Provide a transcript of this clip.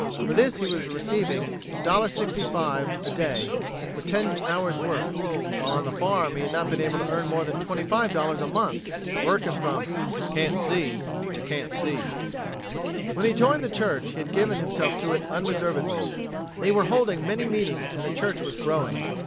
For this he was receiving $1.65 a day, for ten hours' work, while on the farm he had not been able to earn more than $25 a month, working from "can't see to can't see." When he joined the church he had given himself to it unreservedly. They were holding many meetings and the church was growing.